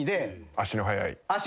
足の速い。